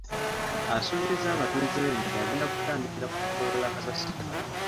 Asuubizza abatuuze be nti agenda kutandikira ku kugogola kasasiro.